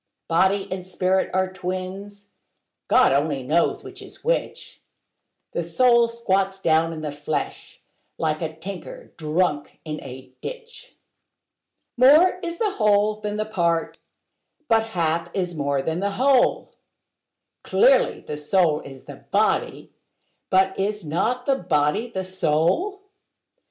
Body and spirit are twins: God only knows which is which: The soul squats down in the flesh, like a tinker drunk in a ditch. More is the whole than a part: but half is more than the whole: Clearly, the soul is the body: but is not the body the soul?